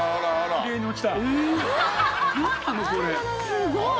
すごい。